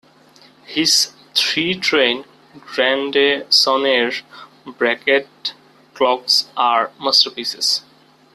His three-train "grande sonnerie" bracket clocks are masterpieces.